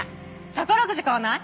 宝くじ買わない？